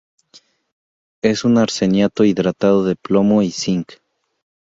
Es un arseniato hidratado de plomo y cinc.